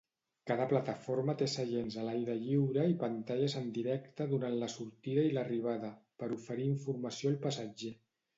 Cada plataforma té seients a l"aire lliure i pantalles en directe durant la sortida i l"arribada, per oferir informació al passatger.